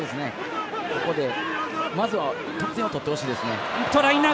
ここでまずは得点を取ってほしいですね。